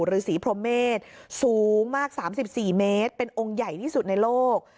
หรือศรีพรมเมฆสูงมากสามสิบสี่เมตรเป็นองค์ใหญ่ที่สุดในโลก